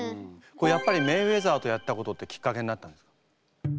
やっぱりメイウェザーとやったことってきっかけになったんですか？